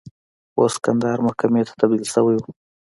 اوس کندهار محکمې ته تبدیل شوی و.